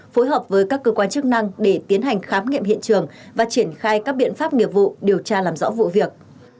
phối hợp với các cơ quan chức năng để tiến hành khám nghiệm hiện trường và triển khai các biện pháp nghiệp vụ điều tra làm rõ vụ việc